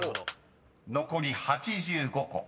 ［残り８５個。